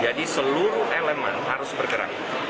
jadi seluruh elemen harus bergerak